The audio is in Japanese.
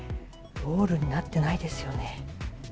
ロールになってないですよね。